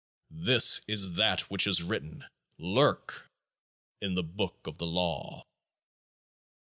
This is that which is written — Lurk !— in The Book of The Law.